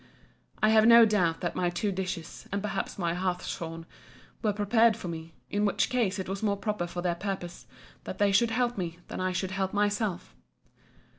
I have no doubt that my two dishes, and perhaps my hartshorn, were prepared for me; in which case it was more proper for their purpose, that they should help me, than that I should help myself.